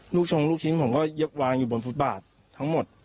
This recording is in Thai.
ชงลูกชิ้นผมก็เย็บวางอยู่บนฟุตบาททั้งหมด